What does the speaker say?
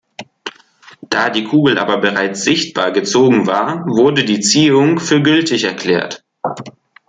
Da die Kugel aber bereits sichtbar gezogen war, wurde die Ziehung für gültig erklärt.